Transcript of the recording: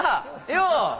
よう。